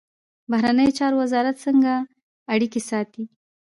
بهرنیو چارو وزارت څنګه اړیکې ساتي؟